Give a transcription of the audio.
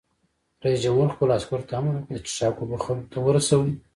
رئیس جمهور خپلو عسکرو ته امر وکړ؛ د څښاک اوبه خلکو ته ورسوئ!